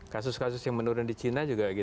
kasus kasus yang menurun di cina juga